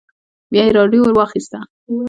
بيا يې راډيو ور واخيسته.